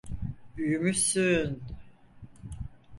Büyümüşsün.